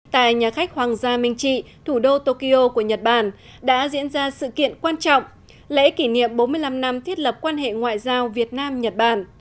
tại nhà khách hoàng gia minh trị thủ đô tokyo của nhật bản đã diễn ra sự kiện quan trọng lễ kỷ niệm bốn mươi năm năm thiết lập quan hệ ngoại giao việt nam nhật bản